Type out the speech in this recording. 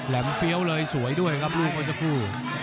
เหล็มเฟี้ยวเลยสวยด้วยครับลูกโอซ่าคู่